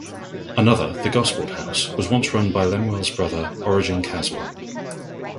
Another, the Gosport House, was once run by Lemuel's brother Origen Caswell.